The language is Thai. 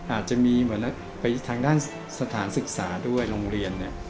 อาจจะมีทางด้านสถานศึกษาด้วยโรงเรียน